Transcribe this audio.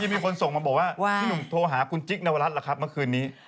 มีคนส่งมาบอกว่าพี่หนุ่มโทรหาคุณจิ๊กนวรัฐล่ะครับเมื่อคืนนี้